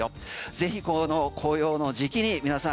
ぜひ紅葉の時期に皆さん